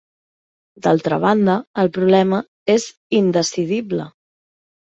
D'altra banda, el problema és indecidible.